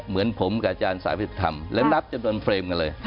เหมือนผมกับอาจารย์สายพิษธรรมและนับจำนวนเฟรมกันเลย